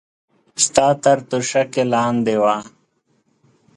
ستا تر توشکې لاندې وه.